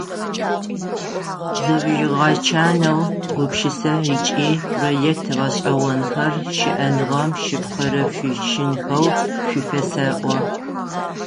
Зыжъугъэчанэу, гупшысэ ыкӏи проект гъэшӏэгъонхэр щыӏэныгъэм щыпхырышъущынхэу шъуфэсэӏо.